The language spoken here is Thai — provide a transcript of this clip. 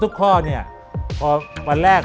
ทุกข้อนี่พอวันแรก